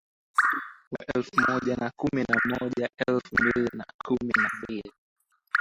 wa elfu moja na kumi na moja elfu mbili na kumi na mbili